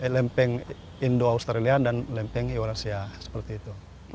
lempeng indo australia dan lempeng eurasia seperti itu